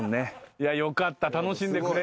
いやよかった楽しんでくれた。